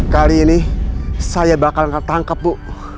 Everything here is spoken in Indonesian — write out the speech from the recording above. kali ini saya bakal ketangkep bu